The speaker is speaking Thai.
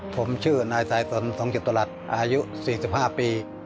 ผมชื่อนายสายสนสองเจ็บตัวลัดอายุ๔๕ปี